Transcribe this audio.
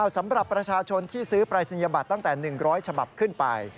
สำหรับประชาชนที่ซื้อปรายศนียบัตรตั้งแต่๑๐๐ฉบับขึ้นไป